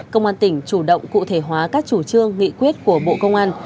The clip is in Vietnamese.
công an tỉnh chủ động cụ thể hóa các chủ trương nghị quyết của bộ công an